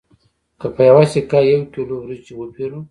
که په یوه سکه یو کیلو وریجې وپېرو